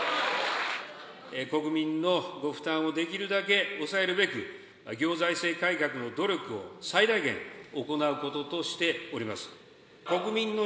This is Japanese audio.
国民のご負担をできるだけ抑えるべく、行財政改革の努力を最大限行うこととしております。